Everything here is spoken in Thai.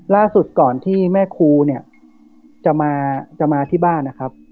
ล่าสุดก่อนที่แม่ครูเนี่ยจะมาจะมาที่บ้านนะครับ